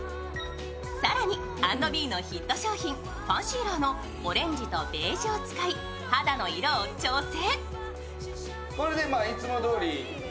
更に＆ｂｅのヒット商品、ファンシーラーのオレンジとベージュを使い、肌の色を調整。